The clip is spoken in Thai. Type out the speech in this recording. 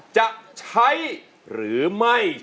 จะใช้หรือไม่